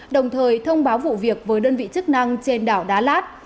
đồng thời thông báo vụ việc với đơn vị chức năng trên đảo đá lát